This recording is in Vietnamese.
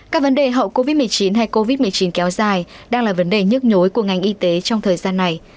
các vấn đề hậu covid một mươi chín hay covid một mươi chín kéo dài đang là vấn đề nhức nhối của ngành y tế trong thời gian này